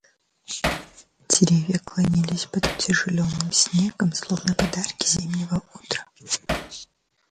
Деревья клонились под утяжеленным снегом, словно подарки зимнего утра.